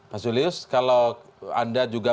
mas julius kalau anda juga